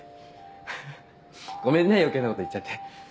フフごめんね余計なこと言っちゃって。